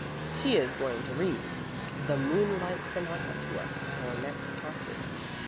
She is going to read the 'Moonlight Sonata' to us at our next concert.